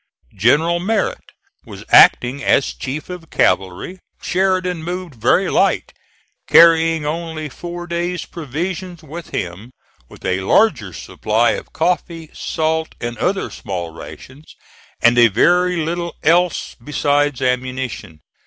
General Merritt was acting as chief of cavalry. Sheridan moved very light, carrying only four days' provisions with him, with a larger supply of coffee, salt and other small rations, and a very little else besides ammunition.